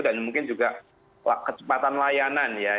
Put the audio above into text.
dan mungkin juga kecepatan layanan ya